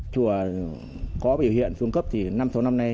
chùa có biểu hiện xuống cấp năm tháng năm năm nay